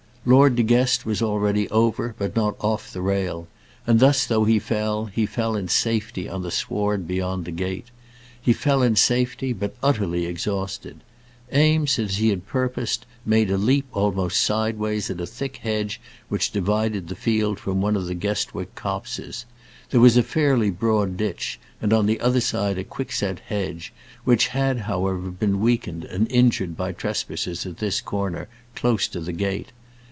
Lord De Guest was already over, but not off the rail; and thus, though he fell, he fell in safety on the sward beyond the gate. He fell in safety, but utterly exhausted. Eames, as he had purposed, made a leap almost sideways at a thick hedge which divided the field from one of the Guestwick copses. There was a fairly broad ditch, and on the other side a quickset hedge, which had, however, been weakened and injured by trespassers at this corner, close to the gate.